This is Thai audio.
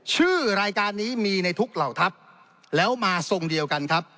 ชื่อรายการนี้มีในทุกเหล่าทัพแล้วมาทรงเดียวกันครับ